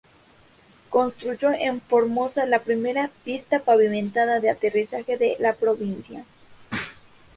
Construyó en Formosa la primera pista pavimentada de aterrizaje de la provincia.